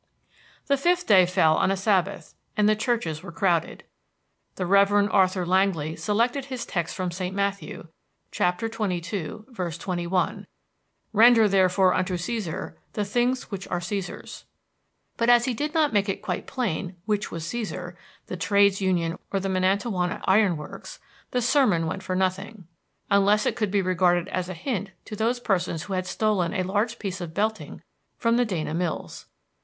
The fifth day fell on a Sabbath, and the churches were crowded. The Rev. Arthur Langly selected his text from St. Matthew, chap. xxii, v. 21: "Render therefore unto Cæsar the things which are Cæsar's." But as he did not make it quite plain which was Cæsar, the trades union or the Miantowona Iron Works, the sermon went for nothing, unless it could be regarded as a hint to those persons who had stolen a large piece of belting from the Dana Mills.